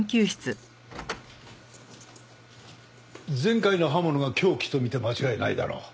前回の刃物が凶器とみて間違いないだろう。